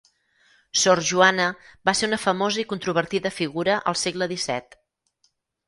Sor Joana va ser una famosa i controvertida figura al segle XVII.